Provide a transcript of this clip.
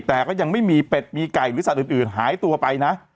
แต่ก็ยังไม่มีเป็ดมีไก่หรือสัตว์อื่นหายตัวไปนะ